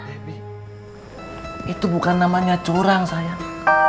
tapi itu bukan namanya curang sayang